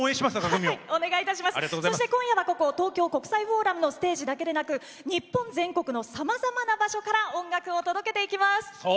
そして今夜はここ東京国際フォーラムのステージだけでなく日本全国のさまざまな場所から音楽を届けていきます。